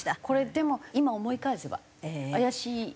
これでも今思い返せば怪しい。